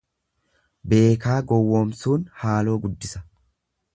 Beekaa gowwoomsuun haaloo guddisa.